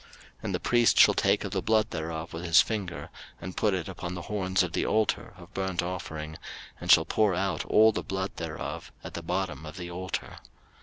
03:004:030 And the priest shall take of the blood thereof with his finger, and put it upon the horns of the altar of burnt offering, and shall pour out all the blood thereof at the bottom of the altar.